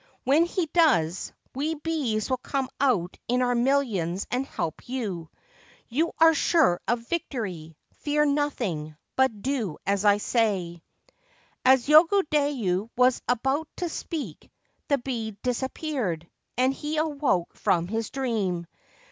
When he does, we bees will come out in our millions and help you. You are sure of victory. Fear nothing ; but do as I say/ As Yogodayu was about to speak the bee disappeared, and he awoke from his dream.